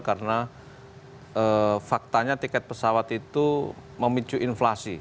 karena faktanya tiket pesawat itu memicu inflasi